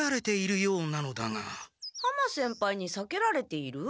浜先輩にさけられている？